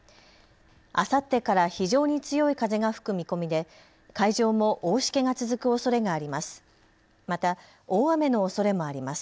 あさってから非常に強い風が吹く見込みで海上も大しけが続くおそれがあります。